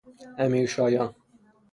امیرشایان